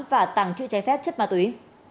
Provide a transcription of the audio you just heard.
và tàng trữ trái phép chất ma túy